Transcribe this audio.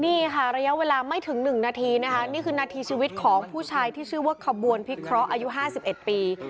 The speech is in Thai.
นี่ค่ะระยะเวลาไม่ถึง๑นาทีนะคะนี่คือนาทีชีวิตของผู้ชายที่ชื่อว่าขบวนพิเคราะห์อายุ๕๑ปี